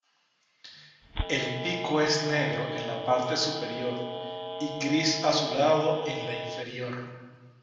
El pico es negro en la parte superior y gris azulado en la inferior.